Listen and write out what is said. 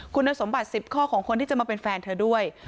คุณสมบัติ๑๐ข้อของคนที่จะมาเป็นแฟนเธอด้วย